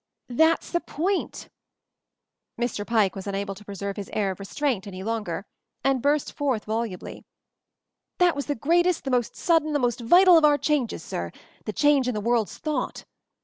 "That's the point I" Mr. Pike was unable to preserve his air of restraint any longer, and burst forth volubly. "That was the greatest, the most sudden, the most vital of our changes, sir — the : change in the world's thought!